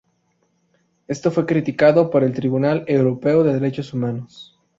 Esto fue criticado por el Tribunal europeo de Derechos humanos.